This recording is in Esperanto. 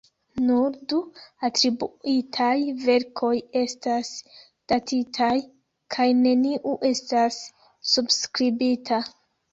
Nur du atribuitaj verkoj estas datitaj, kaj neniu estas subskribita.